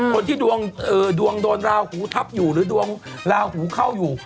คนที่ดวงโดนราหูทับอยู่หรือดวงลาหูเข้าอยู่